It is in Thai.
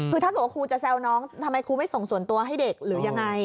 คือถ้าเกิดว่าครูจะแซวน้องทำไมครูไม่ส่งส่วนตัวให้เด็กหรือยังไง